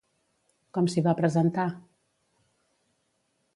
Com s'hi va presentar?